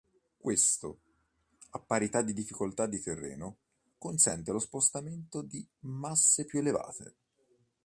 Questo, a parità di difficoltà di terreno, consente lo spostamento di masse più elevate.